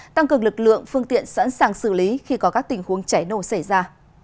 tăng cường lực lượng phương tiện sẵn sàng xử lý khi có các tình huống cháy nổ xảy ra